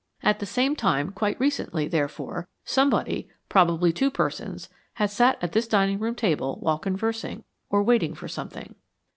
At some time quite recently, therefore, somebody, probably two persons, had sat at this dining room table while conversing, or waiting for something.